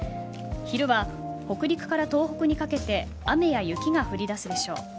昼は、北陸から東北にかけて雨や雪が降りだすでしょう。